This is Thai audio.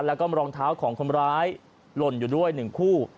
แล้วก็รองเท้าของคนร้ายหล่นอยู่ด้วย๑คู่